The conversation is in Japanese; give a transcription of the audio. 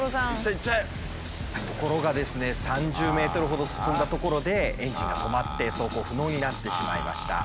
ところがですね３０ｍほど進んだところでエンジンが止まって走行不能になってしまいました。